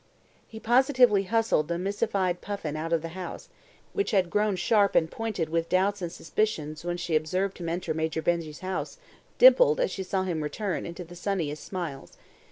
He positively hustled the mystified Puffin out of the house, and Miss Mapp's face, which had grown sharp and pointed with doubts and suspicions when she observed him enter Major Benjy's house, dimpled, as she saw him return, into the sunniest smiles.